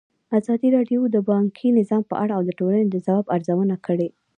ازادي راډیو د بانکي نظام په اړه د ټولنې د ځواب ارزونه کړې.